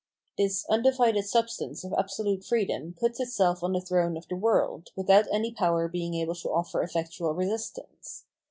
This undivided substance of absolute freedom puts itself on the throne of the world, without any power being able to offer effectual resistance.